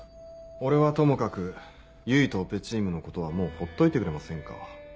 俺はともかく唯とオペチームのことはもう放っといてくれませんか？